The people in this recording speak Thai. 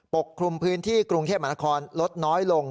ปกครุมพื้นที่กรุงเทพมนาคมลดน้อยลง